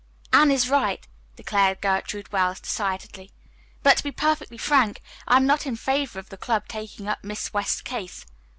"Anne is right," declared Gertrude Wells decidedly. "But to be perfectly frank, I am not in favor of the club taking up Miss West's case.